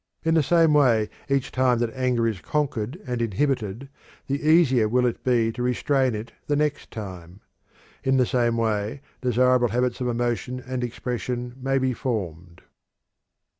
In the same way each time that anger is conquered and inhibited, the easier will it be to restrain it the next time. In the same way desirable habits of emotion and expression may be formed.